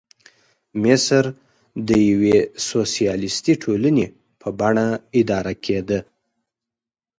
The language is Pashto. مصر د یوې سوسیالیستي ټولنې په بڼه اداره کېده.